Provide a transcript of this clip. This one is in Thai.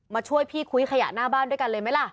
ช่วยพี่คุ้ยขยะหน้าบ้านด้วยกันเลยไหมล่ะ